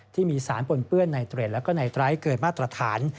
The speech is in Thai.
ที่มีสารปนเปื้อนไนตริวเอตและไนตรไตร์เกิดมาตรฐาน